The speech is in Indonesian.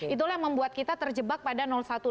itulah yang membuat kita terjebak pada satu dua